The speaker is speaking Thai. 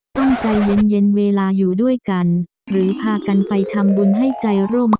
ใจเย็นเย็นเวลาอยู่ด้วยกันหรือพากันไปทำบุญให้ใจร่ม